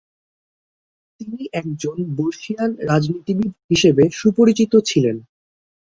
তিনি একজন বর্ষীয়ান রাজনীতিবিদ হিসেবে সুপরিচিত ছিলেন।